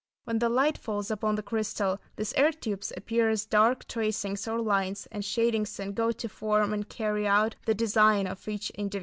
When the light falls upon the crystal, these air tubes appear as dark tracings or lines and shadings and go to form and carry out the design of each individual crystal.